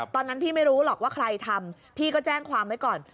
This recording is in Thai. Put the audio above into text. ตอนนั้นพี่ไม่รู้หรอกว่าใครทำพี่ก็แจ้งความไว้ก่อน